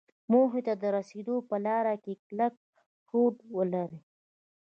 موخې ته د رسېدو په لاره کې کلک هوډ ولري.